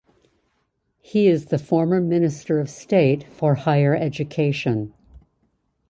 He is the former Minister of State for Higher Education.